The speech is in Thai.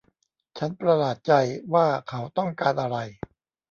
ฉันประหลาดใจว่าเขาต้องการอะไร